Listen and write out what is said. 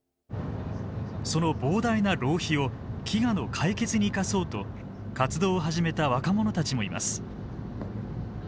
その膨大な浪費を飢餓の解決に生かそうと活動を始めた若者たちもいます。